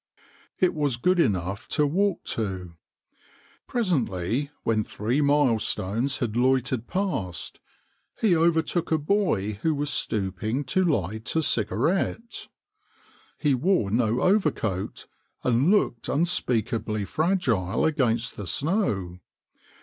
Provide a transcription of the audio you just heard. It was good enough to walk to. Presently, when three milestones had loitered past, he overtook a boy who was stooping to light a cigarette. He wore no overcoat, and looked unspeakably fragile against the snow.